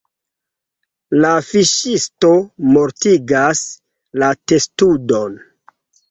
La fiŝisto mortigas la testudon.